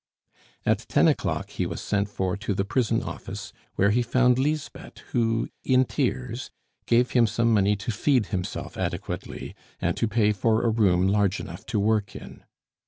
At ten o'clock he was sent for to the prison office, where he found Lisbeth, who, in tears, gave him some money to feed himself adequately and to pay for a room large enough to work in.